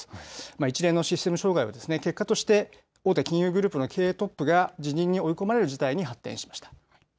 一連のシステム障害は結果として大手金融グループの経営トップが辞任に追い込まれる事態に発展しました。